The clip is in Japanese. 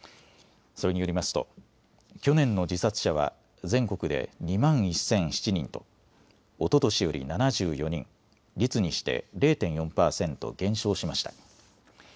それによりますと去年の自殺者は全国で２万１００７人とおととしより７４人、率にして０．４％減少しました。